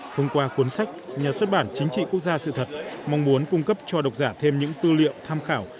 thông qua cuốn sách nhà xuất bản chính trị quốc gia sự thật mong muốn cung cấp cho độc giả thêm những tư liệu tham khảo